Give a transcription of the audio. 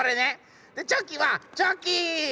「チョキ」はチョキー！